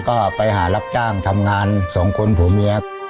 ก็ไปหารับจ้างทำงานสองคนผัวเมีย